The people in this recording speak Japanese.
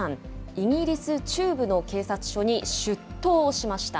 イギリス中部の警察署に出頭しました。